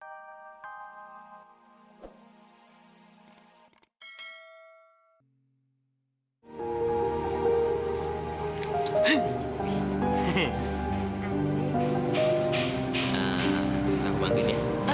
aku panggil ya